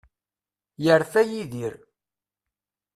Yerfa Yidir.